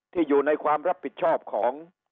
อยู่ในความรับผิดชอบของ